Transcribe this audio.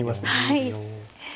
はい。